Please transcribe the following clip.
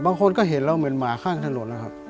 บางคนก็เห็นแล้วเหมือนหมาข้างถนนนะครับ